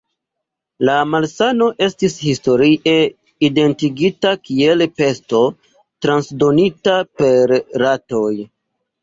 La malsano estis historie identigita kiel pesto transdonita per ratoj.